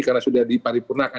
karena sudah di paripurna kan